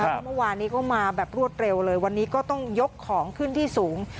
เพราะเมื่อวานนี้ก็มาแบบรวดเร็วเลยวันนี้ก็ต้องยกของขึ้นที่สูง